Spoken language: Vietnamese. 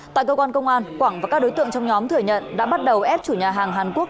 tại cơ quan công an quảng và các đối tượng trong nhóm thừa nhận đã bắt đầu ép chủ nhà hàng hàn quốc